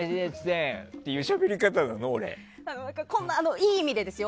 いい意味でですよ？